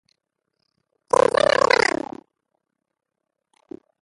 Fins a on arribaven?